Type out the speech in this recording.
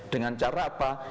dengan cara apa